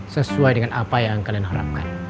sesuai dengan apa yang kalian harapkan